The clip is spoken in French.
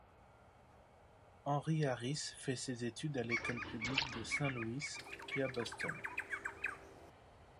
Henry Harris fait ses études à l'école publique de Saint-Louis, puis à Boston.